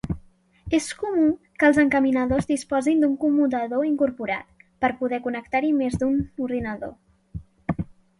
És comú que els encaminadors disposin d'un commutador incorporat, per poder connectar-hi més d'un ordinador.